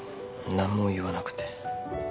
何も言わなくて。